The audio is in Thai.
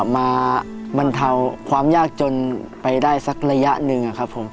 บรรเทาความยากจนไปได้สักระยะหนึ่งครับผม